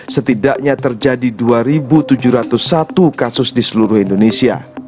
setidaknya terjadi dua tujuh ratus satu kasus di seluruh indonesia